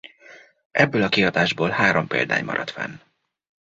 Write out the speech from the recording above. Ebből a kiadásból három példány maradt fenn.